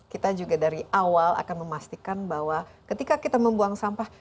kita juga dari awal akan memastikan bahwa ketika kita membuang sampah